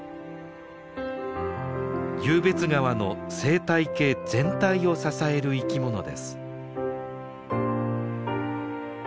湧別川の生態系全体を支える生き物です。